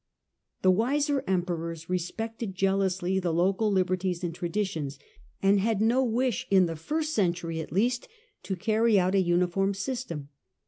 The wiser Emperors respected jealously the local liberties and traditions, and had no wish, in the first century at least, to carry out a uniform system.